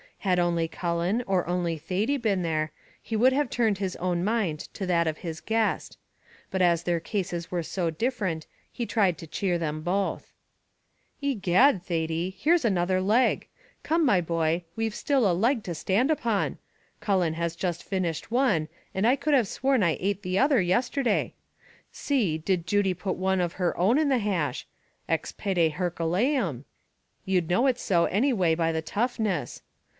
Had only Cullen or only Thady been there, he would have tuned his own mind to that of his guest; but as their cases were so different, he tried to cheer them both. "Egad, Thady, here's another leg come, my boy, we've still a leg to stand upon Cullen has just finished one, and I could have sworn I ate the other yesterday. See, did Judy put one of her own in the hash 'ex pede Herculem' you'd know it so any way by the toughness.